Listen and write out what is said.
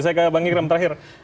saya ke bang ikram terakhir